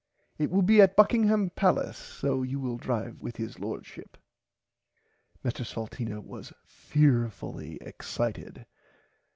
It will be at Buckingham palace so you will drive with his lordship. Mr Salteena was fearfully excited.